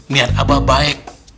niat abah baik